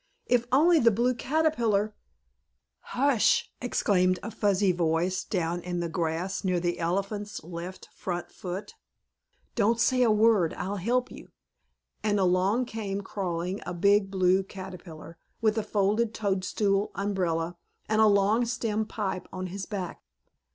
If only the Blue Caterpillar " "Hush!" exclaimed a fuzzy voice down in the grass near the elephant's left front foot. "Don't say a word. I'll help you," and along came crawling a big Blue Caterpillar, with a folded toadstool umbrella and a long stemmed pipe on his back.